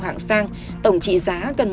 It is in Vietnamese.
hạng sang tổng trị giá gần